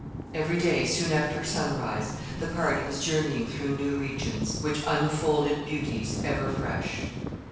Every day soon after sunrise the party was journeying through new regions which unfolded beauties ever fresh.